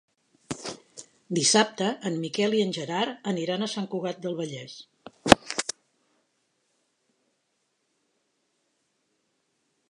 Dissabte en Miquel i en Gerard aniran a Sant Cugat del Vallès.